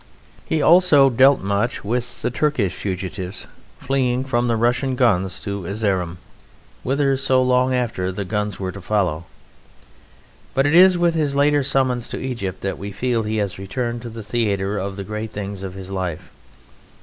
He also dealt much with the Turkish fugitives fleeing from the Russian guns to Erzerum whither, so long after, the guns were to follow. But it is with his later summons to Egypt that we feel he has returned to the theatre of the great things of his life.